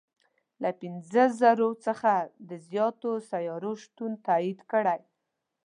له پنځه زرو څخه د زیاتو سیارو شتون تایید کړی.